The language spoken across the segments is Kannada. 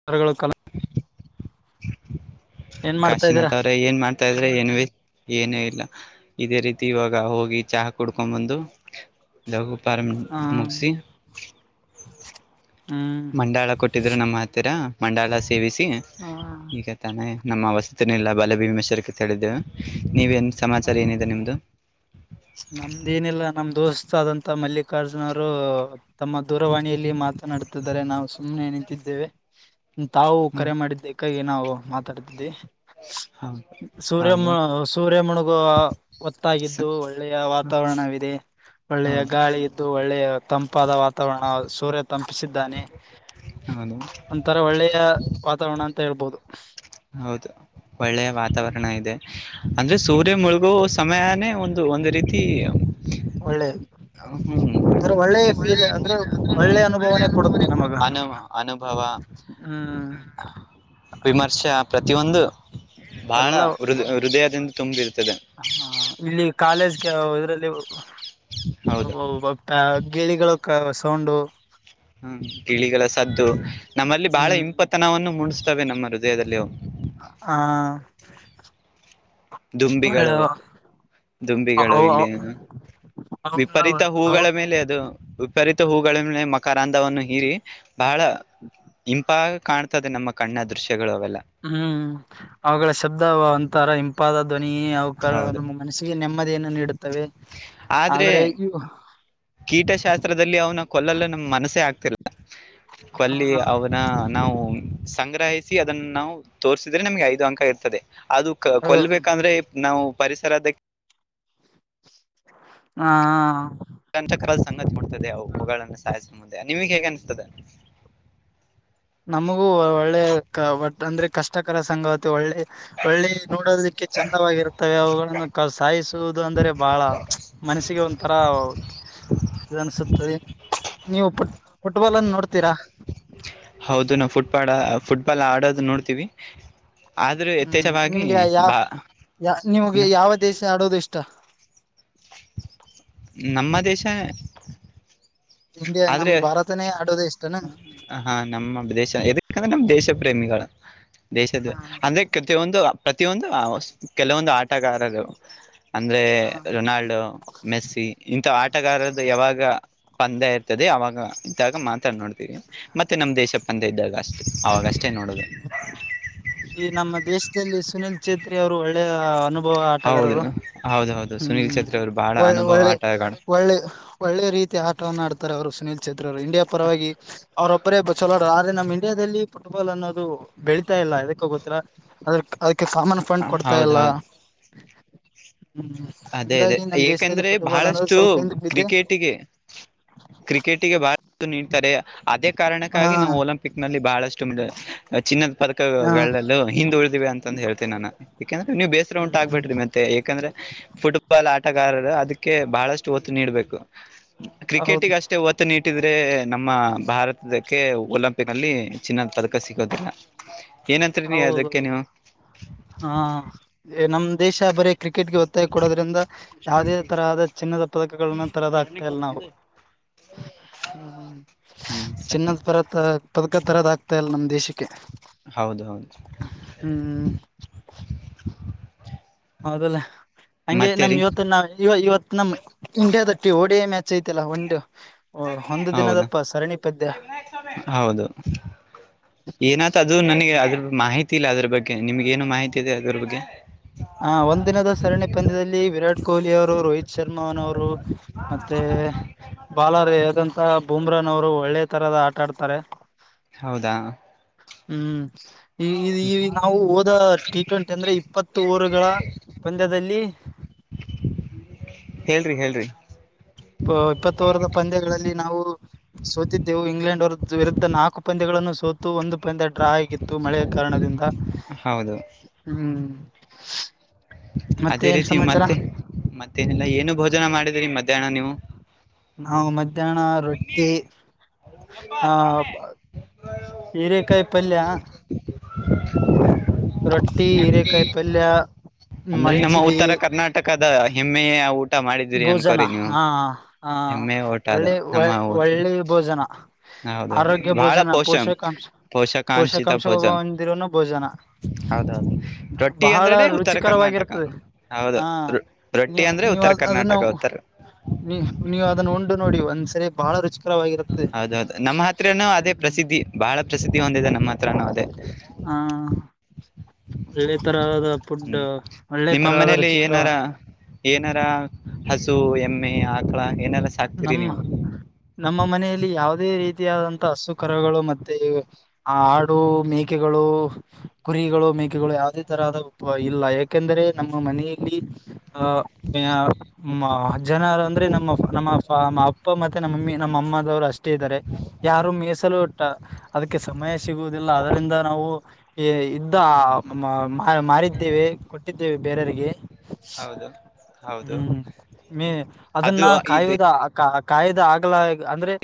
[inaudible] ಏನ್ ಮಾಡ್ತಾ ಇದ್ದೀರಾ ಕಾಶಿನಾಥ ಅವ್ರೆ ಏನ ಮಾಡ? ತಿದ್ರಾ ಏನ್ ಏನೂ ಇಲ್ಲ. ಇದೇ ರೀತಿ ಇವಾಗ ಹೋಗಿ ಚಹಾ ಕುಡ್ಕೊಂಡ್ ಬಂದು ದಗಪಾರ ಹ ಮುಗಸಿ. ಹ್ಮ್ ದಾಳ ಕೋಟ್ಟಿದರು ನಮ್ಮ ಹತ್ತಿರ ಮಂಡಾಳ ಸೇವಿಸಿ ಹ ಈಗ.. ತಾನೆ ನಮ್ಮ ವಸ್ತಿನ ಎಲ್ಲ ಬಲ ಭೀಮೆಶ್ವರಕ್ಕೆ ತಳಿದ್ದೇವು ನೀವೇಏನ ಸಮಾಚಾರ ಏನಿದೆ ನಿಮ್ದು. ನಮ್ದ ಏನಿಲ್ಲ ನಮ ದೋಸ್ತ್ ಆದಂತ ಮಲ್ಲಿಕಾರ್ಜುನ ಅವರು. ತಮ್ಮ ದೂರವಾಣಿಯಲ್ಲಿ ಮಾತನಾಡುತ್ತರೆ ನಾವು ಸುಮ್ಮ್ನೆ ನಿಂತಿದ್ದೇವೆ.. ತಾವು ಹ್ಮ ಕರೆ ಮಾಡಿದ್ದಕ್ಕಾಗಿ ನಾವು ಮಾತಾಡ್ತಿದ್ದವಿ. ಸೂ.... ಹೌದು ಸೂರ್ಯ ಹೌದು ಸೂರ್ಯಮಣಗು. ಸ ಒತ್ತಾಗಿದ್ದು ಒಳ್ಳೆಯ ವಾತಾವರಣವಿದೆ ಒಳ್ಳೆಯ ಗಾಳಿಯ್. ಹೌದು ಗಾಳಿ ಇದ್ದು. ಒಳ್ಳೆ ತಂಪಾದ ವಾತಾವರಣ ಸೂರ್ಯ ತಂಪಿಸಿದ್ದಾನೆ. ಹೌದು ಒಂತರ ಒಳ್ಳೆಯ ವಾತಾವರಣ ಅಂತ ಹೇಳ್ಬೋದು. ತ ಒಳ್ಳೆಯ ವಾತಾವರಣ. ಇದೆ ಅಂದ್ರೆ ಸೂರ್ಯ ಮುಳುಗೋ ಸಮಯಾನೇ ಒಂದು ಒಂದ ರೀತಿ. ಒಳ್ಳೆ ಹ್ಮ ಒಂಥರ ಒಳ್ಳೆ ಫೀಲ್ ಅಂದ್ರೆ ಒಳ್ಳೆ ಅನುಭವನೆ ಕೊಡ ಅನುಮ ಅನುಭವ. ಹು ವಿಮರ್ಶ ಪ್ರತಿ ಒಂದು ಬಹಳ ಎಲ್ಲ ಹೃ ಹೃದಯದಿಂದ ತುಂಬಿರ್ತದೆ. ಹ ಇಲ್ಲಿ ಕಾಲೇಜಗೆ ವ ಇದ್ರಲ್ಲಿ ಹೌದು ಹೋಗೋವು. ತ್ತ ಗಿಳಿಗಳು ಕ ಸೌಂಡು. ಹು ಗಿಳಿಗಳ ಸದ್ದು ನಮ್ಮಲ್ಲಿ ಬಹಳ ಹ್ಮ್ ಇಂಪತನವನ್ನು ಮುಡಸ್ತವೆ ನಮ್ಮ ಹೃದಯದಲ್ಲಿ ಅವು. ಆ ಆ ದುಂಬಿಗಳು, ದುಂಬಿಗಳು ಇಲ್ಲಿ. ವಿಪರೀತ ಹೂಗಳ ಮೇಲೆ ಅದು. ವಿಪರೀತ ಹೂಗಳನ್ನೆ ಮಕರಂದವನ್ನು ಹೀರಿ ಬಹಳ ಇಂಪಾಗಿಕಾಣ ತ್ತದೆ ನಮ್ಮ ಕಣ್ಣ ದೃಶ್ಯಗಳು ಅವೆಲ್ಲಾ. ಹು ಅವುಗಳ ಶಬ್ದ ಒಂತರ ಹಿಂಪಾದ ಧ್ವನಿ ಅವುಕಳ. ಹೌದು ಮನಸ್ಸಿಗೆ ನೆಮ್ಮದಿಯನ್ನು ನೀಡು ಆದ್ರೆ ಕೀಟಶಾಸ್ತ್ರದಲ್ಲಿ ಅವ್ನ ಕೊಲ್ಲಲು ನಮ್ಮ ಮನಸ್ಸೆ ಆಗ್ತಿಲ್ಲಾ. ಕೊಲ್ಲಿ ಹ ಅವನ ನಾವು. ಸಂಗ್ರಹಿಸಿ ಅದನ್ನ ನಾವು ತೋರ್ಸಿದ್ರೆ ನಮ್ಗೆ ಐದು ಅಂಕ ಇರ್ತದೆ ಅದು. ಕೊಲ್ಬೇಕಾದ್ರೆ ನಾವು ಪರಿಸರದ. ಆ ಆ ಸಂಚಕರ ಸಂಗತಿ ಮುಡ್ತದೆ ಅವು ಹೂಗಳನ್ನು ಸಾಯಸ ಮುಂದೆ ನಿಮಗೆ ಹೇಗೆ ಅನಿಸತದೆ. ನಮಗೂ ಒಳ್ಳೆ ಕ ವಟ್ಟ ಅಂದ್ರೆ ಕಷ್ಟಕರ ಸಂಗಾತಿ ಒಳ್ಳೆ. ಒಳ್ಳೆ ನೋಡೋದಿಕ್ಕೆ ಚಂದವಾಗಿರು ತ್ತವೆ ಅವುಗಳನ್ನು ಕ ಸಾಯಿಸುವುದು ಅಂದರೆ ಬಹಳ ಪ್ಚ್ ಮನಸ್ಸಿಗೆ ಒಂಥರ. ಇದು ಅನ್ಸುತ್ತದೆ ನೀವು ಪುಟ್ ಫುಟ್ಬಾಲ್ ಅನ್ನು ನೋಡ್ತೀರಾ. ಹೌದು ನಾವು ಫುಟ್ಬಾಡ ಫುಟ್ಬಾಲ್ ಆಡೋದು ನೋಡ್ತೀವಿ. ಆದ್ರೂ ಯಥೇಚ್ವಾಗಿ ಬಾ. ಯಾ ನಿಮಗೆ ನ- ಯಾವ ದೇಶ ಆಡೋದು ಇಷ್ಟಾ. ನಮ್ಮ ದೇಶಾಯೆ. ಇಂಡಿಯಾ ನಮ್ಮ ಭಾರತನೇ ಆಡೋದು ಇಷ್ಟನಾ. ಹಾ ನಮ್ಮ ದೇಶ ಯದಕಂದ್ರೆ ನಮ್ಮ ದೇಶ ಪ್ರೇಮಿಗಳು ದೇಶದ ಹ ಅಂದ್ರೆ ಕತೆಯೊಂದು. ಪ್ರತಿಯೊಂದು ಕೆಲವೊಂದು ಆಟಗಾರರು ಅಂದ್ರೆ ಹ ರೊನಾಲ್ಡೊ. ಮೆಸ್ಸಿ ಇಂಥ ಆಟಗಾರ್ದ ಯಾವಾಗ ಪಂದ್ಯ ಇ ತ್ತದೆ ಅವಾಗ ಇದ್ದಾಗ ಮಾತ ನೋಡ್ತೀವಿ ಮತ್ತೆ ನಮ್ಮ ದೇಶ. ಶ ಪಂದ್ಯ ಇದ್ದಾಗ ಅಷ್ಟೇ ಅವಾಗಷ್ಟೇ ನೋಡೋದು. ಈ ನಮ್ಮ ದೇಶದಲ್ಲಿ ಸುನಿಲ್ ಛೇತ್ರಿ ಅವರು ಒಳ್ಳೆಯ ಅನು ಬವ ಹೌದು ಆಟಗಾರರು ಹೌದೌದು ಹು ಸುನೀಲ್ ಚೇತ್ರಿ ಅವರು ಬಹಳ ಒಳ್ಳೆ ಅನುಭವ ಒಳ್ಳೆ ಆಟಗಾರರು ಒಳ್ಳೆ. ಒಳ್ಳೆ ರೀತಿಯ ಆಟವನ್ನು ಆಡ್ತಾರೆ ಅವರು ಸುನೀಲ್ ಛೇತ್ರಿ ಅವರು ಇಂಡಿಯಾ ಪರವಾಗಿ. ಅವರೋಬ್ರೆ ಚಲೋರು ಆದ್ರ ನಮ್ಮ ಇಂಡಿಯಾದಲ್ಲಿ ಫುಟ್ಬಾಲ್ ಅನ್ನೋದು ಬೆಳೀತಾ ಇಲ್ಲಾ ಎದಕ್ ಕ್ಕೋ ಗೊತ್ತಿಲ್ಲಾ ಅದ ಅದಕ್ಕೆ ಸಾಮನ್ ಫಂಡ್ ಕೊಡ್ತಾ ಇಲ್ಲಾ ಹೌದೌದು ಹು ಹು ಅದೇ ಅದೇ ಏಕಂದ್ರೆ ಬಹಳಷ್ಟು ಸ್ವಲ್ಪ ಹಿಂದಕ್ ಬಿದ್ದೆ ಕ್ರಿಕೆಟಿಗೆ. ಕ್ರಿಕೆಟಿಗೆ ಮಹತ್ವ ನೀಡ್ತಾರೆ. ಅದೇ ಹ ಕಾರಣಕ್ಕಾಗಿ ನಾವು ಒಲಿಂಪಿಕ್ ನಲ್ಲಿ ಬಹಳಷ್ಟು ಮೆಡ್ ಅ ಚಿನ್ನದ ಹಾ ಪದಕಗಳಲ್ ಲೊ ಹಿಂದ ಉಳ್ದಿವಿ ಅಂತ ಹೇಳ್ತೇನ ನಾನಾ ಯಾಕಂದ್ರ ನೀವು ಬೇಸರ ಉಂಟ ಹ್ಮ್ ಆಗ್ಬ್ಯಾಡ್ರಿ ಮತ್ತೆ ಯಾಕಂದ್ರೆ ಫುಟ್ಬಾಲ್ ಆಟಗಾರರ ಅದಕ್ಕೆ ಬಹಳಷ್ಟು ಒತ್ತು ನೀಡಬೇಕು ಹೌದು ಕ್ರಿಕೆಟಿಗ ಅಷ್ಟೇ ಒತ್ ತ ನೀಟ್ಟಿದ್ರೆ ನಮ್ಮ ಭಾರತಕ್ಕೆ ಒಲಿಂಪಿಕ್ ಅಲ್ಲಿ ಚಿನ್ನದ್ ಪದಕ ಸಿಗೋದಿಲ್ಲ. ಏನಂತ್ರಿ ನೀ ಅದಕ್ಕೆ ಹೌದೌದು ನೀವು ಏ ನಮ್ಮ್ ದೇಶ ಬರೆ ಕ್ರಿಕೆಟ್ಗೆ ಒತ್ತಾಯ ಕೊಡೋದ್ರಿಂದ ಯಾವುದೇ ತರಹದ ಚಿನ್ನದ ಪದಕಗಳನ್ನ ತರದ ಆಕ್ತಾ ಇಲ್ಲ ನಾವು ಹ್ಮ್ ಹ್ಮ್ ಸರಿ ಚಿನ್ನದ್ ಪದ ತ ಪದಕ ತರದ ಆಗ್ತಾ ಇಲ್ಲ ನಮ್ಮ ದೇಶಕ್ಕೆ. ಹೌದು ಹೌದು ಹ್ಮ್ ಹೌದಲ್ಲ ಹಂಗೆ ಮತ್ತೆ ನಮ್ ರೀ ಇವತ್ತು ನಾ ಇವ್ ಇವತ್ ನಾ ಮ್ ಇಂಡಿಯಾದ ಟಿ ಒಡೇ ಮ್ಯಾಚ್ ಐತಲ್ಲ ಒಂದು ಓ ಒಂದು ದಿನದ ಹೌದು ಪ್ಪ ಸರಣಿ ಪಂದ್ಯ. ಅ ಎನ್ ತ ಅದು ನನಗೆ ಅದ್ರ ಮಾಹಿತಿ ಇಲ್ಲ ಅದ್ರ ಬಗ್ಗೆ ನಿಮ್ಗೆ ಏನು ಮಾಹಿತಿ ಇದೆ ಅದ್ರ ಬಗ್ಗೆ. ಹ ಒಂದಿನದು ಸರಣಿ ಪಂದ್ಯದಲ್ಲಿ ವಿರಾಟ್ ಕೊಹ್ಲಿ ಅವ್ರು ರೋಹಿತ್ ಶರ್ಮನವರು. ಮತ್ತೆ ಬಾಲರ್ ಹೇಳ್ದಂತ ಬೂಮ್ರನ್ ಅವರು ಒಳ್ಳೆ ತರದ ಆಟ ಆಡ್ತಾರೆ. ಹೌದಾ. ಹ್ಮ್ನಾ ಈ ಈಗ್ ವಿ ಹೋದ ಟಿ ಟ್ವೆಂಟಿ ಅಂದ್ರೆ ಇಪ್ಪತ್ ಹತ್ತು ಓವರಗಳ ಪಂದ್ಯದಲ್ಲಿ. ಹೇಳ್ರಿ ಹೇಳ್ರಿ. ಪ ಇಪ್ಪತ್ತ ಓವರ್ದ ಪಂದ್ಯಗಳಲ್ಲಿ ನಾವು ಸೋತಿದ್ದೆವು ಇಂಗ್ಲೆಂಡ್ ಅವರ ವಿರುದ್ಧ ನಾಕು ಪಂದ್ಯಗಳನ್ನು ಸೋ ಇತ್ತು ಒಂದು ಪಂದ್ಯ ಡ್ರಾ ಆಗಿತ್ತು ಮಳೆಯ ಕಾರಣದಿಂದ ಹೌದು ಹ್ಮ್ ಮತ್ತೆ ಅದೇ ಏನ್ ರೀತಿ ಸಮಾಚಾರ ಮತ್ತೆ ಮತ್ತೇನಿಲ್ಲ ಏನು ಭೋಜನ ಮಾಡಿದ್ರಿ ಮಧ್ಯಾಹ್ನ ನೀವು. ನಾವು ಮಧ್ಯಾಹ್ನ ರೊಟ್ಟಿ ಆ ಬ ಹೀರೆಕಾಯಿ ಪಲ್ಯ. [inaudible] ರೊಟ್ಟಿ ಹೀರೆಕಾಯಿ ಪಲ್ಯ. ಅಂದ್ರೆ ನಮ್ಮ ಮಜ್ಜಿಗೆ ಉತ್ತರ ಕರ್ನಾಟಕ ಟಕದ ಹೆಮ್ಮೆಯ ಊಟ ಮಾಡಿದೀರಿ ಭೋಜನ ಅನ್ಕೋರಿ ನೀವು ಹಾ ಹಾ ಹೆಮ್ಮೆಯ ಊ ಅದು ಒಳ್ಳೆ ನಮ್ಮ ಊ ಒಳ್ಳೆ ಭೋಜನ ಹೌದೌದು ಆರೋಗ್ಯ ಭಾಳ ಭೋಜನ ಪೋಷಂ ಪೋಷಕಾಂಶ ಪೋಷಕಾಂಶಿತ ಪೋಷಕಾಂಶ ಬೋಜ ಹೊಂದಿರೋನು ಭೋಜನ ಹೌದೌದು ರೊಟ್ಟಿ ಬಹಳ ಅಂದ್ರೇನೆ ಉತ್ತರ ಕರ್ನಾಟಕ ರುಚಿಕರವಾಗಿರುತ್ತದೆ ಹೌದು ಹಾ ರೋ ರೊಟ್ಟಿ ನೀವ್ ಅಂದ್ರೆ ನೀವ್ ಉತ್ತರ ಕರ್ನಾಟಕ ಅದನ್ನ ಉತ್ತರ ನೀ ನೀವು ಅದನ್ನ ಉಂಡು ನೋಡಿ ಒಂದ್ಸರಿ ಬಾಳ ರುಚಿ ಹೌದೌದು ನಮ್ಮ ಹತ್ರನು ಅದೇ ಪ್ರಸಿದ್ಧಿ ಬಹಳ ಪ್ರಸಿದ್ಧಿ ಹೊಂದಿದೆ ನಮ್ಮ ಹತ್ರನು ಅದೇ. ಹಾ ಒಳ್ಳೆ ತರದ ಫುಡ್ ಹ್ಮ್ ಒಳ್ಳೆ ನಿಮ್ಮ ತರಹದ ಮನೇಲಿ ರುಚಿಕರ ಏನಾರ ಏನಾರ ಹಸು ಎಮ್ಮೆ ಆಕಳ. ಏನಾರ ಸಾಕ್ತೀರಿ ನಮ್ಮ ನೀವು ನಮ್ಮ ಮನೆಯಲ್ಲಿ ಯಾವುದೇ ರೀತಿಯಾದಂತಹ ಹಸು ಕರಗಳು ಮತ್ತೆ ಆಡು ಮೇಕೆಗಳು. ಕುರಿಗಳು ಮೇಕೆಗಳು ಯಾವುದೇ ತರಹದ ಉ ಇಲ್ಲ ಯಾಕೆಂದರೆ ನಮ್ಮ ಮನೆಯಲ್ಲಿ ಹ ಯಾ ಮ ಅಜ್ಜನರ ಅಂದ್ರೆ ನಮ್ಮ ನಮ್ಮ ಫಾ ನಮ್ಮ ಅಪ್ಪ ಮತ್ತೆ ನಮ್ಮಮ್ಮಿ ನಮ್ಮ ಅಮ್ಮದವ್ರು ಅಷ್ಟೇ ಇದ್ದಾರೆ. ಯಾರು ಮೀಸಲು ಇಟ್ಟ ಅದಕ್ಕೆ ಸಮಯ ಸಿಗುದಿಲ್ಲ ಅದರಿಂದ ನಾವು. ಇದ್ದ ಮಾರಿದ್ದೇವೆ ಕೊಟ್ಟಿದ್ದೇವೆ ಬೇರೆಯವಿಗೆ. ಹೌದು ಹೌದು ಹ್ಮ್ ಮೇ ಅದು ಅದನ್ನ. ಇದು ಕಾ ಕಾಯ್ದೆ ಕಾಯ್ದ ಆಗಲ ಅಂದ್ರೆ..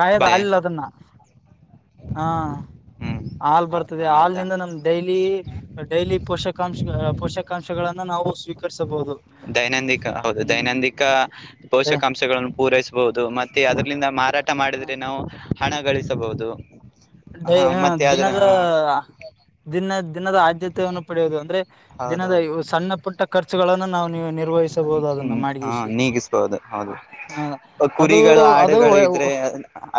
ಕಾಯದ ಹಾಲಿಲ್ಲ ಅದನ್ನ ಹಾ ಹ್ಮ್ ಹಾಲ್ ಹೌ ಬರ್ತದೆ ಹೌದಾ ಹಲ್ನಿಂದ ನಮ್ದ. ಡೈಲಿ ಡೈಲಿ ಪೋಷಕಾಂಶ ಪೋಷಕಾಂಶಗಳಗಳನ್ನು ನಾವು ಸ್ವೀಕರಿಸಬಹುದು. ದೈನಂದಿಕ ಹೌದು ಹ್ಮ್ ದೈನಂದಿಕ ಅದೇ ಪೋಷಕಾಂಶಗಳನ್ನು ಪೂರೈಸಬಹುದು. ಮತ್ತೆ ಅದ್ರಲಿಂದ ಮಾರಾಟ ಮಾಡಿದ್ರೆ ನಾವು ಹಣ ಗಳಿಸಬಹುದು. ಹ ಹಯ ಮತ್ತೆ ಅದ್ರ ದಿನದದ್ರ. ದಿನ ದಿನದ ಆದ್ಯತೆಯನ್ನು ಪಡೆಯುವುದು ಅಂದ್ರೆ ದಿನದ ಹೌದೌದು ಸಣ್ಣ ಪುಟ್ಟ ಖರ್ಚುಗಳನ್ನು ನಾವು ನೀವು ನಿರ್ವಹಿಸಬಹುದು ಅದನ್ನು ಹ್ಮ್ ಮಾಡಗ ಹಾ ನೀಗಿಸಬಹುದು ಹೌದು ಅದು ಅದು.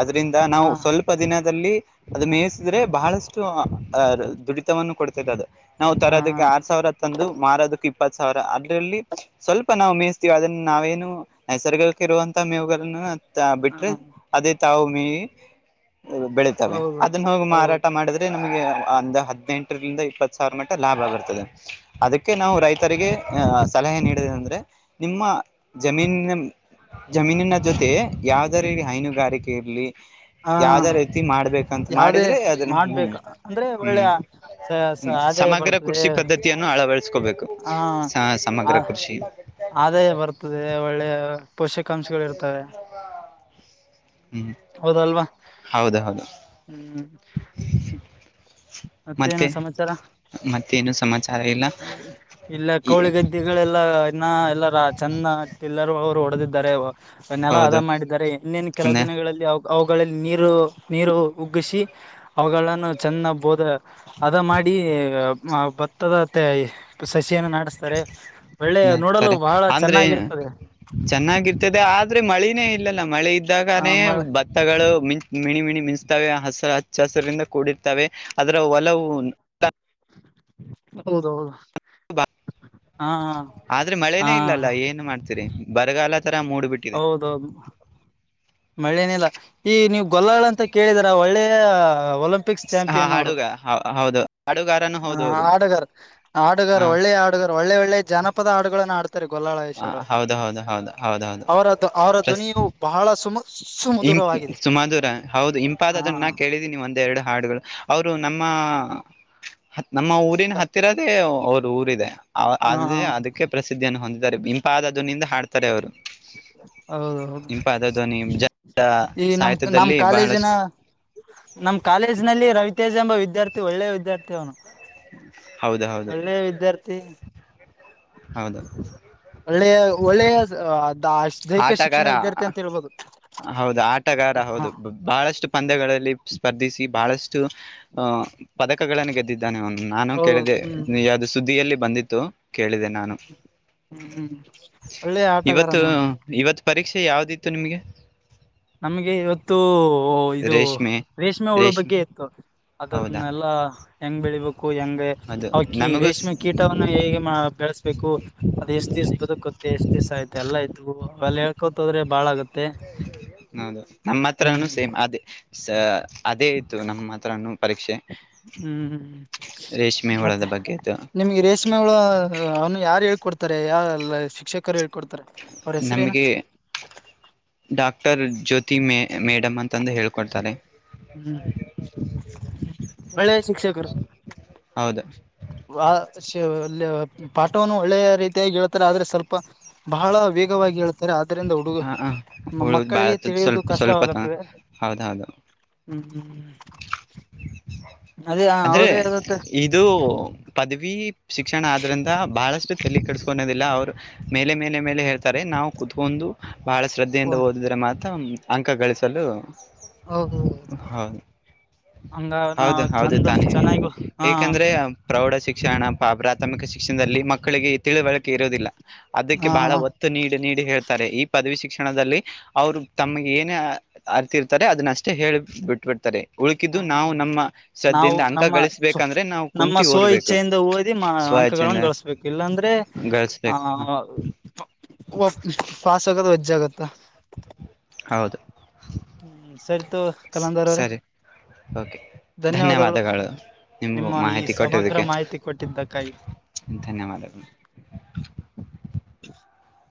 ಅದ್ರಿಂದ ಹ ನಾವು ಹ ಸ್ವಲ್ಪ. ಸ್ ದಿನದಲ್ಲಿ ಅದ ಮೇಯಿಸಿದ್ರೆ ಬಹಳಷ್ಟು ಅಹ ದುಡಿತವನ್ನು ಕೊಡ್ತದೆ ಅದು. ನಾವು ಹ ತರೋದಕ್ಕೆ ಆರ್ ಸಾವಿರ ತಂದು ಮಾರೋದಕ್ ಇಪ್ಪತ್ ಸಾವಿರ ಅದ್ರಲ್ಲಿ. ಸ್ವಲ್ಪ ನಾವು ಮೇಯಿಸ್ತೀವಿ ಅದನ್ನ ನಾವೇನು ನೈಸರ್ಗಕ್ಕ ಇರುವಂತ ಮೇವುಗಳನ್ನು. ಬಿಟ್ರೆ ಅದೇ ತಾವು ಮೀ ಬೆಳತವೆ ಹೌದು ಅದನ್ನ ಹೋಗಿ ಹೌದು ಮಾರಾಟ ಮಾಡಿದ್ರೆ. ಅದೇ ನಮಗೆ ಅಂದ ಹದ್ನೆಂಟರಿಂದ ಇಪ್ಪತ್ ಸಾವಿರ ಮೆಟ್ಟ ಲಾಭ ಆಗಿರ್ತದೆ. ಅದಕ್ಕೆ ನಾವು ರೈತರಿಗೆ ಆ... ಸಲಹೆ ನೀಡದ ಅಂದ್ರೆ ನಿಮ್ಮ ಜಮೀನ. ಜಮೀನಿನ ಜೊತೆ ಯಾವ್ದಾರಲ್ಲಿ ಹೈನುಗಾರಿಕೆ ಇರ್ಲಿ. ಹಾ ಯಾವ್ದ ರೀತಿ ಮಾಡ್ಬೇಕಂತ ಯಾವದೇ ಮಾಡಿದ್ರೆ ಅದನ್ನು ಹ್ಮ್ ಮಾಡ್ಬೇಕು ಅಂದ್ರೆ ಒಳ್ಳೆ ಹ್ಮ್. ಸ ಸ ಹ್ಮ್ ಆದಾಯ ಸಮಗ್ರ ಬರ್ತದೆ ಕೃಷಿ ಪದ್ಧತಿಯನ್ನು ಅಳವಡಿಸಕೋಬೇಕು ಹಾ... ಆ ಸಮಗ್ರ ಕೃಷಿ. ಆದಾಯ ಬರ್ತದೆ ಒಳ್ಳೆ. ಪೋಷಕಾಂಶಗಳು ಇರ್ತವೆ ಮತ್ತೆಮ್ಮ ಹ್ಮ್. ಹೌದಲ್ವಾ. ಹೌದ ಹೌದು. ಹ್ಮ್ ಮತ್ತೇನು ಮತ್ತೆ ಸಮಾಚಾರ ಮತ್ತೇನು ಸಮಾಚಾರ ಇಲ್ಲ ಇಲ್ಲ ಕೌಳಿಗದ್ದ. ಗಳೆಲ್ಲ ಇನ್ನ ಎಲ್ಲಾರ ಚಂದ ತಿಲ್ಲರು ಅವ್ರು ಹೊಡೆದಿದ್ದಾರೆ. ಅವನ್ನೆಲ್ಲಾ ಅದ ಹೌದು ಮಾಡಿದ್ದಾರೆ ಇನ್ನೇನ್ ಕೆಲವು ದಿನಗಳಲ್ಲಿ. ಅವುಗಳಲ್ಲಿ ನೀರು ನೀರು ಉಗ್ಗಿಸಿ ಅವುಗಳನ್ನು ಚೆನ್ನ ಬೋದ. ಅದ ಮಾಡಿ ಭತ್ತದ ಸಸಿಯನ್ನು ನಸ್ತ. ಸರಿ ಬೆಳ್ಳೆ ನೋಡಲು ನೆಡ್ತಾರೆ ಬಹಳ ಅಂದ್ರೆ ಚೆನ್ನಾಗಿರ್ತದೆ. ಚೆನ್ನಾಗಿರ್ತದೆ ಆದ್ರೆ ಮಳನೇ ಇಲ್ಲಲ್ಲ ಮಳೆ ಆ ಇದ್ದಾಗನೇ ಮಳೆ ಬ. ಹಗಳು ಮಂ ಮಿಣಿ ಮಿಣಿ ಮಿಂಚಸತವೆ ಹಸಿ ಹಚ್ಚ ಹಸಿರಿಂದ ಕೂಡಿರ್ತವೆ ಅದರ ಒಲವು. ಹೌದ ಹೌದು. ಬ- ಆದ್ರೆ ಮಳೇನೇ ಇಲ್ಲಲ್ಲ ಏನ್ ಮಾಡ್ತೀರಿ ಬರಗಾಲ ತರ ಮೂಡ್ಬಿಟ್ಟು. ಹೌದೌದು. ಮಳ್ಳೇನಿಲ್ಲ ಈಗ ನೀವು್ ಗೊಲ್ಲಗಳಂತ ಕೇಳಿದರ ಒಳ್ಳೆಯ ಒಲಂ. ಪಿಕಿಸ್ ಹಾ ಚಾಂಪಿಯನ್ ಅವರು ಹಾಡುಗ ಹೌ- ಹೌದು ಹಾಡುಗಾರನು ಹೌದು ಅವರು ಆಟಗಾರ್ ಆಟಗಾರ ಹಾ ಒಳ್ಳೆ ಆ. ಒಳ್ಳೆ ಒಳ್ಳೆ ಜನಪದ ಹಾಡುಗಳನ್ನು ಹಾಡತಾರ. ಆ, ಗೊಲ್ಲಾಳೇಶ್ವರ ಹೌದು ಹೌದು ಹೌದು ಹೌದು ಹೌದು ಅವರ ಅವರ ಪ್ಲಸ್ ಧ್ವನಿಯು ಬಹಳ ಸುಮ. ಇಂಪ್ ಸುಮಧುರವಾಗಿದೆ ಸುಮಧುರ ಹೌದು ಇಂಪಾದ ಹ ಆದ ಅದನ್ನ ನಾ ಕೇಳಿದೀನಿ ಒಂದ್ ಎರಡು ಹಾಡುಗಳು. ಅವರು ನಮ್ಮ ನಮ್ಮ ಊರಿನ ಹತ್ತಿರದೇ ಅವರು ಊರಿದೆ ಹ ಆದೇ ಅದಕ್ಕೆ ಪ್ರಸಿದ್ಧಿಯನ್ನು ಹೊಂದಿದ್ದಾರೆ ಇಂಪಾದದನಿಂದ ಹಾಡ್ತಾರೆ ಅವ್ರು ಹೌದ ಹೌದು ಜ ಈ ನಮ್ ನಮ್ಮ್ ಸಾಹಿತ್ಯದಲ್ಲಿ ಕಾಲೇಜಿನ ಬಹಳಷ್ಟು ನಮ ಕಾಲೇಜ್ ನಲ್ಲಿ ರವಿತೇಜ್ ಎಂಬ ವಿದ್ಯಾರ್ಥಿ ಒಳ್ಳೆ ವಿದ್ಯಾರ್ಥಿ ಅವನು ಹೌದ ಹೌದು ಒಳ್ಳೆಯ ವಿದ್ಯಾರ್ಥಿ ಹೌದ ಒಳ್ಳೆಯ ಒಳ್ಳೆಯ ಅದ ಆ ಆಟಗಾರ ಹೌದು ಆಟಗಾರ ಹ ಹೌದು ಬಹಳಷ್ಟು ಪಂದ್ಯಗಳಲ್ಲಿ ಸ್ಪರ್ಧಿಸಿ ಬಹಳಷ್ಟು ಅ ಪದಕಗಳನ್ನು ಗೆದ್ದಿದ್ದ ಾನೆ ಒ ನಾನು ಹೌದು ಕೇಳಿದೆ ಹ್ಮ್ ಯಾವ್ದು ಸುದ್ದಿಯಲ್ಲಿ ಬಂದಿತ್ತು ಕೇಳಿದೆೇನೆ ನಾನು ಹ್ಮ್ ಒಳ್ಳೆಯ ಆಟಗಾರ ಇವತ್ತು ನೋಡಿ ಇವತ್ ಪರೀಕ್ಷೆ ಯಾವ್ದಿತ್ತು ನಿಮ್ಗೆ ನಮ್ಗೆ ಇವತ್ತು ಇದು ರೇಷ್ಮೆ ರೇಷ್ಮೆ ಹುಳು ಬಗ್ಗೆ ಇತ್ತು ಹೌದಾ ಅದದನ್ನೆಲ್ಲಾ ಹೆಂಗ್ ಬೆಳಿಬೇಕು ಹೆಂಗೆ ಅದು ಅವಕ ನಮಗೂ ರೇಷ್ಮೆ ಕೀಟವನ್ನ ಹೇಗೆ ಬೆಳೆಸ್ಬೇಕು ಅದು ಎಷ್ಟ್ ದಿವ್ಸ ಬದುಕತ್ತ ಎಷ್ಟ್ ದಿವ್ ಆಯ್ತ ಎಲ್ಲ ಆಯ್ತು ಅಲ್ಲಿ ಹೇಳ್ಕೋತ ಹೋ್ರೆ ಬಾಳ ಆಗತ್ತೆ ಹೌದು ನಮ್ಮ ಹತ್ರ ಹ್ಮ್ ಸೇಮ್ ಅದೇ ಅದೇ ಇತು ನಮ್ಮ ಹತ್ರೂ ಹ್ಮ್್ಮ್ ರೇಷ್ಮೆ ಹುಳದ ಮತ್ತೆ ಬಗ್ಗೆ ಇತ್ತು ನಿಮ್ಗೆ ರೇಶ್ಮ ಮಿ ಹುಳ ಅವ್ನು ಯಾರು ಹೇಳ್ಕೊಡ್ತಾರೆ ಯಲ್ಲ ಶಿಕ್ಷಕರು ಹೇಳ್ಕೊಡ್ತಾರೆ ಅವ್ರ ಹೆಸರೇನು ನಮಗೆ ಡಾಕ್ಟರ್ ಜ್ಯೋತಿ ಮ ಮೇಡಮ್ ಅಂತ ್ಮ ಹ್ಮ್ಒಳ್ಳೆ ಶಿಕ್ಷಕರು ಹೌದ ಆ ಪಾಠವನ್ನು ಒಳ್ಳೆಯ ರೀತಿಯಾಗಿ ಹೇಳ್ತಾರೆ ಆದ್ರೆ ಸ್ವಲ್ಪ ಬಹಳ ವೇಗವಾಗಿ ಹೇಳ್ ಸರಿ ಆದರಿಂದ ಹುಡುಗ ಹ ಹ ಹುಳು ಬಾಳ ಮಕ್ಕಳಿಗೆ ತಿಳಿಯುವುದು ಸ್ವಲ್ಪ ಸ್ವಲ್ಪ ತ ಕಷ್ಟವಾಗುತ್ತದೆ ಹೌದೌದು ಹ್ಮ್ ಹ್ಮ್ ಹ ಅಂದ್ರೆ ಇದು ಪದವಿ ಶಿಕ್ಷಣ ಆದ್ರಿಂದ ಬಹಳಷ್ಟು ತಲಿ ಕಡಸ್ಕೊನೋದಿಲ್ಲ ಅವ್ರು ಮೇಲೆ ಮೇಲೆ ಮೇಲೆ ಹೇಳ್ತಾರೆ ನಾವು ಕುೂತ್ಕೊಂಡು ಭಾಳ ಶ್ರದ್ಧೆಯಿಂದ ಓದಿದರೆ ಮಾತ್ರ ಅಂಕ ಗಳಿಸಲು ಹ ಹ ಹೌದು ಹಂಗ ಹೌದು ನಾವು ಹೌದು ಚಂದ ತಾನೇ ಇದೆ ಚೆನ್ನಾಗಿ ಹಾ ಏಕೆಂದ್ರೆ ಪ್ರೌಢ ಶಿಕ್ಷಣ ಪ ಪ್ರಾಥಮಿಕ ಶಿಕ್ಷಣದಲ್ಲಿ ಮಕ್ಕಳಿಗೆ ತಿಳಿವಳಿಕೆ ಇರುವುದಿಲ್ಲ ಅದಕ್ಕೆ ಹಾ ಬಹಳ ಹ ಒ ನೀಡಿ ನೀಡಿ ಹೇಳ್ತಾರೆ ಈ ಪದವಿ ಶಿಕ್ಷಣದಲ್ಲಿ ಅವ್ರು ತಮಗೆ ಏನೇ ಅರ್ತಿರ್ತಾರೆ ಅದನ್ನ ಅಷ್ಟೇ ಹೇಳಿ ಬಿಟ್ಬಿಡ್ತಾರೆ ಉಳ್ಕಿದ್ದು ನಾವು ನಮ್ಮ ನಾವು ಸದ್ದಿಂದ ಅಂಕ ನಮ್ಮ ಗಳಿಸ್ಬೇಕಂದ್ರೆ ನಾವು ನಮ್ಮ ಕುಂತು ಸ್ವ ಓದ್ಬೇಕು ಇಚ್ಛೆಯಿಂದ ಓದಿ ಸ್ವಚ್ಛಿಂದ ಅಂಕಗಳನ್ನು ಗಳಿಸಬೇಕು ಇಲ್ಲಾಂದ್ರೆ ಆ ಗಳಿಸ್ಬೇಕು ಫಾಸ್ ಆಗದ ವಜ್ಜೆ ಆಗುತ್ತ ಹೌದು ಹ್ಮ ಸರಿತೋ ಕಲಂದಾರ ಅವ್ರೆ ಸರಿ ಓಕೆ ಧನ್ಯವಾದಗಳು ನಿಮ್ಗೂ ನಿಮ್ಮ ಈ ಮಾಹಿತಿ ಸಮಗ್ರ ಕೊಟ್ಟದಕ್ಕೆ ಮಾಹಿತಿ ಕೊಟ್ಟಿದ್ದಕ್ಕಾಗಿ ಧನ್ಯವಾದಗಳು